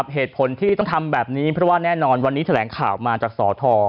เหตุผลที่ต้องทำแบบนี้เพราะว่าแน่นอนวันนี้แถลงข่าวมาจากสอทร